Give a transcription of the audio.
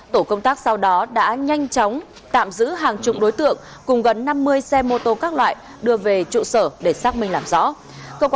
tổ công tác sau đó đã nhanh chóng tạm giữ hàng chục đối tượng cùng gần năm mươi xe mô tô các loại đưa về trụ sở để xác minh làm rõ